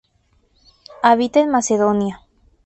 Habita en Macedonia.